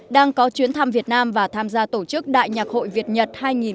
đang có chuyến thăm việt nam và tham gia tổ chức đại nhạc hội việt nhật hai nghìn một mươi chín